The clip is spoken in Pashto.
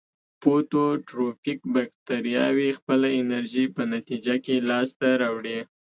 فوتوټروفیک باکتریاوې خپله انرژي په نتیجه کې لاس ته راوړي.